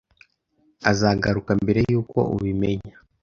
azagaruka mbere yuko ubimenya.